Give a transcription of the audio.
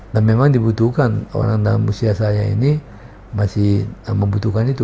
dan memang dibutuhkan orang dalam usia saya ini masih membutuhkan itu